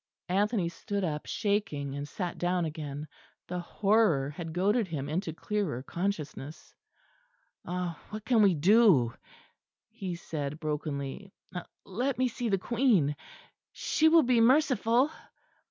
Anthony stood up shaking; and sat down again. The horror had goaded him into clearer consciousness. "Ah! what can we do?" he said brokenly. "Let me see the Queen. She will be merciful."